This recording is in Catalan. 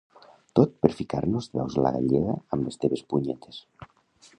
Tot per ficar-nos de peus a la galleda amb les teves punyetes.